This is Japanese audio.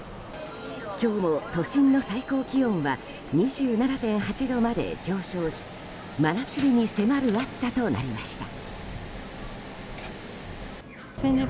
今日も都心の最高気温は２７．８度まで上昇し真夏日に迫る暑さとなりました。